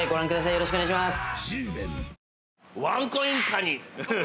よろしくお願いします。